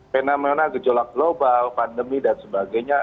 fenomena gejolak global pandemi dan sebagainya